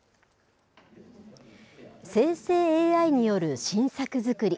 生成ＡＩによる新作作り。